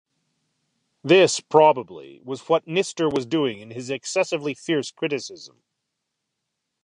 This, probably, was what Knister was doing in his excessively fierce criticism.